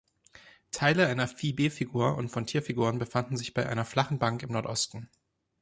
Teile einer Phi-B-Figur und von Tierfiguren befanden sich bei einer flachen Bank im Nordosten.